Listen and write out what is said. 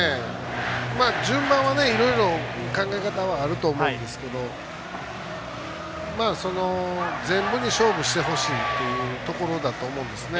順番はいろいろ考え方があると思うんですけど全部に勝負してほしいってところだと思うんですね。